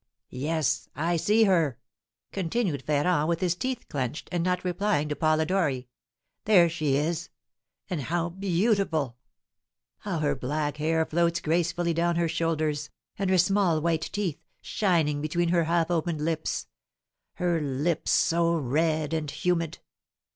"Yes, I see her!" continued Ferrand, with his teeth clenched, and not replying to Polidori. "There she is! And how beautiful! How her black hair floats gracefully down her shoulders, and her small white teeth, shining between her half opened lips, her lips so red and humid!